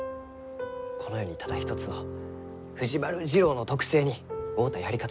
この世にただ一つの藤丸次郎の特性に合うたやり方を。